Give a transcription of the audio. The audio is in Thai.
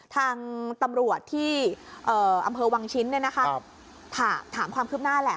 ทางตำรวจที่อำเภอวังชิ้นถามความคืบหน้าแหละ